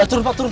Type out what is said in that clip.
turun pak turun